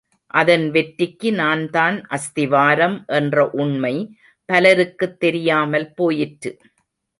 அதன் வெற்றிக்கு நான்தான் அஸ்திவாரம் என்ற உண்மை பலருக்குத் தெரியாமல் போயிற்று.